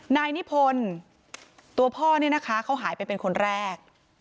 นายนิพนธ์ตัวพ่อเนี่ยนะคะเขาหายไปเป็นคนแรก